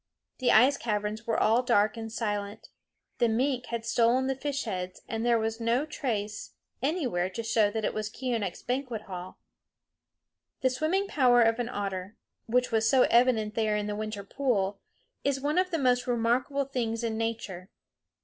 The ice caverns were all dark and silent. The mink had stolen the fish heads, and there was no trace anywhere to show that it was Keeonekh's banquet hall. The swimming power of an otter, which was so evident there in the winter pool, is one of the most remarkable things in nature.